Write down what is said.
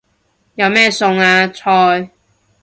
有咩餸啊？菜